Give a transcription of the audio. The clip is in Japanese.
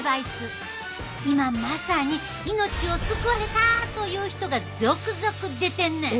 今まさに命を救われたという人が続々出てんねん！